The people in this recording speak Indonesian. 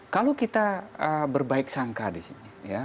kalau kita berbaik sangka di sini